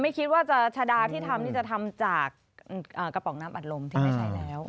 ไม่คิดว่าชาดาที่ทำนี่จะทำจากกระป๋องน้ำอัดลมที่ไม่ใช้แล้ว